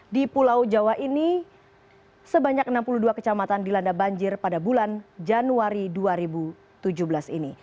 di pulau jawa ini sebanyak enam puluh dua kecamatan dilanda banjir pada bulan januari dua ribu tujuh belas ini